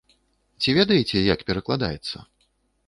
Ці ведаеце, як перакладаецца?